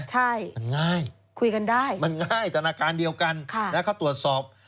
ใช่มันง่ายคุยกันได้มันง่ายธนาคารเดียวกันเขาตรวจสอบ